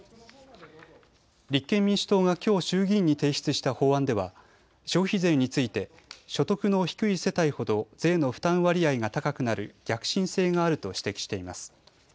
立憲民主党がきょう衆議院に提出した法案では消費税について所得の低い世帯ほど税の負担割合が高くなる逆進性があると指摘しています。